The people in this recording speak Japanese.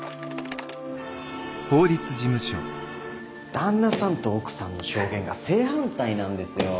旦那さんと奥さんの証言が正反対なんですよ。